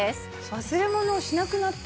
忘れ物をしなくなった。